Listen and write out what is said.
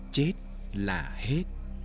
chết là hết